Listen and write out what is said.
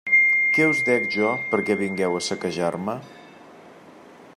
Què us dec jo perquè vingueu a saquejar-me?